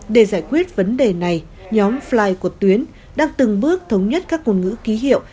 để giải quyết vấn đề này nhóm fly của tuyến đang từng bước thống nhất các ngôn ngữ ký hiệu